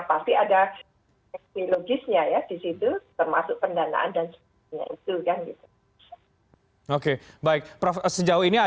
pasti ada teknologisnya ya di situ termasuk pendanaan dan sebagainya